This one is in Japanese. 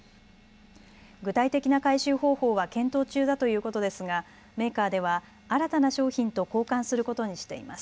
具体的な回収方法は検討中だということですがメーカーでは新たな商品と交換することにしています。